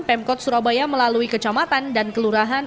pemkot surabaya melalui kecamatan dan kelurahan